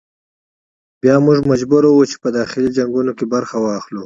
بیا موږ مجبور وو چې په داخلي جنګونو کې برخه واخلو.